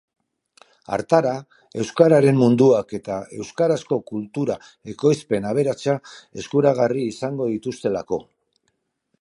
Hartara, euskararen munduak eta euskarazko kultura-ekoizpen aberatsa eskuragarri izango dituztelako.